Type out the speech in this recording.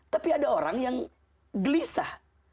tapi ada orang yang gelisah